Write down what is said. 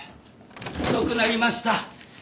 遅くなりました。